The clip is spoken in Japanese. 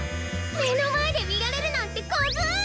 めのまえでみられるなんてコズい！